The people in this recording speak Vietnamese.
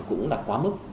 cũng là quá mức